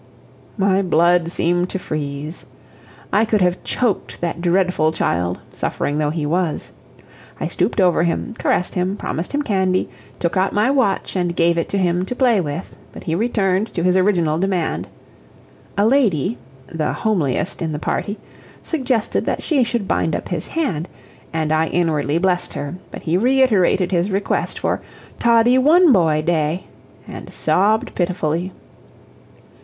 '" My blood seemed to freeze. I could have choked that dreadful child, suffering though he was. I stooped over him, caressed him, promised him candy, took out my watch and gave it to him to play with, but he returned to his original demand. A lady the homeliest in the party suggested that she should bind up his hand, and I inwardly blessed her, but he reiterated his request for "Toddie one boy day," and sobbed pitifully.